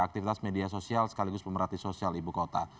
aktivitas media sosial sekaligus pemerhati sosial ibu kota